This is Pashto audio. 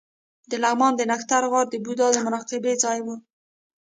د لغمان د نښتر غار د بودا د مراقبې ځای و